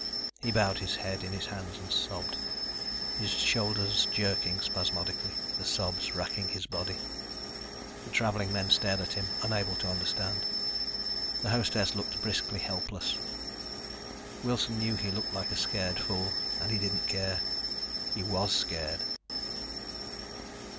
He bowed his head in his hands and sobbed, his shoulders jerking spasmodically, the sobs racking his body. The traveling men stared at him unable to understand. The hostess looked briskly helpless. Wilson knew he looked like a scared fool and he didn't care. He was scared.